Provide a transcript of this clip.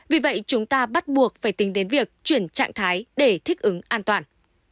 vì vậy chúng ta bắt buộc phải tính đến việc chuyển trạng thái để thích ứng an toàn